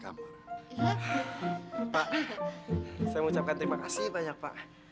pak saya mengucapkan terima kasih banyak pak